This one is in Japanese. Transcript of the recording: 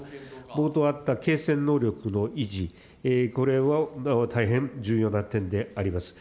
冒頭あった継戦能力の維持、これも今は大変重要な点であります。